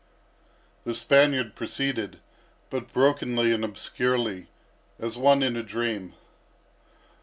The Spaniard proceeded, but brokenly and obscurely, as one in a dream.